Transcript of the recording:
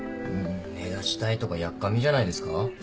目立ちたいとかやっかみじゃないですか？